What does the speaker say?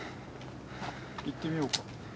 行ってみようか。